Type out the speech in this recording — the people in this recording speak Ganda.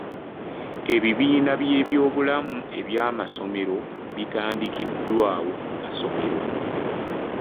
Ebibiina by'ebyobulamu eby'amasomero bitandikiddwawo mu masomero.